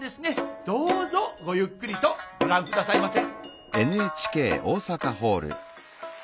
どうぞごゆっくりとご覧下さいませ。